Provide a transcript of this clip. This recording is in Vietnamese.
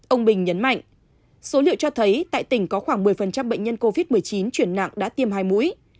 ông bình nhấn mạnh số liệu cho thấy tại tỉnh có khoảng một mươi bệnh nhân covid một mươi chín chuyển nặng đã tiêm hai mũi